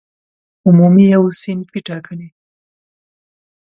عمومي او صنفي ټاکنې